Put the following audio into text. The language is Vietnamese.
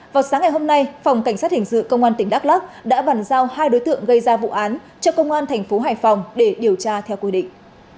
vào sáng ngày hôm nay phòng cảnh sát hình sự công an tỉnh đắk lắc đã bàn giao hai đối tượng gây ra vụ án cho công an thành phố hải phòng để điều tra theo quy định